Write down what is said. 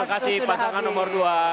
kasih pasangan nomor dua